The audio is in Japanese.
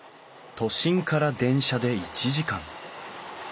都心から電車で１時間。